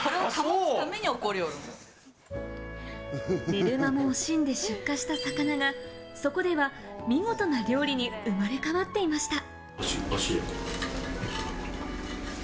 寝る間も惜しんで出荷した魚が、そこでは見事な料理に生まれ変わっていました。